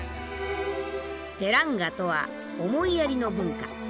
「テランガ」とは思いやりの文化。